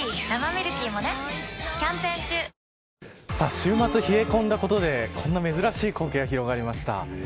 週末、冷え込んだことでこの珍しい光景が広がりました。